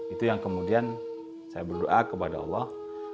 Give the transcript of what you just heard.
itu yang kemudian saya berdoa kepada allah